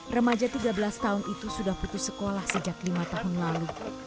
remaja tiga belas tahun itu sudah putus sekolah sejak lima tahun lalu